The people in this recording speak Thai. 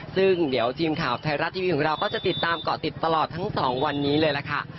ซึ่งเดี๋ยวจีมข่าวไทยรัสทวีดีโอก็จะติดตามเดินเตือนเกาะติดตลอดทั้งสองวันนี้เลยล่ะค่ะ